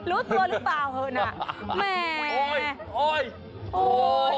ลุดตัวหรือเปล่าฮะเอิญ